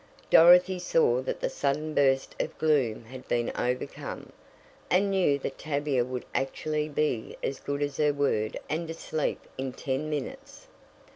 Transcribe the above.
Dorothy saw that the sudden burst of gloom had been overcome, and knew that Tavia would actually be as good as her word and asleep in ten minutes.